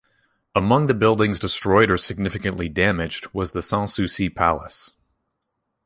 Among the buildings destroyed or significantly damaged was the Sans-Souci Palace.